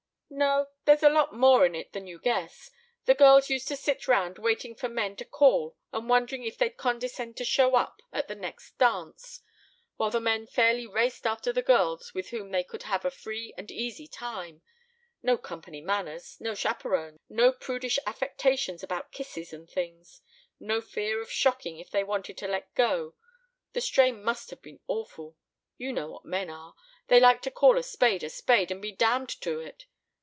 "No, there's a lot more in it than you guess. The girls used to sit round waiting for men to call and wondering if they'd condescend to show up at the next dance; while the men fairly raced after the girls with whom they could have a free and easy time no company manners, no chaperons, no prudish affectations about kisses and things. No fear of shocking if they wanted to let go the strain must have been awful. You know what men are. They like to call a spade a spade and be damned to it.